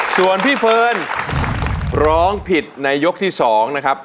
ส่วนพี่เฟิร์นร้องผิดในยกที่๒นะครับ